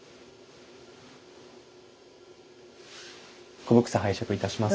古帛紗拝借いたします。